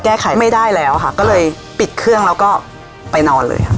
ไม่ได้แล้วค่ะก็เลยปิดเครื่องแล้วก็ไปนอนเลยค่ะ